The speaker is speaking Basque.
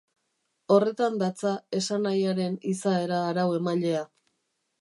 Horretan datza esanahiaren izaera arau-emailea.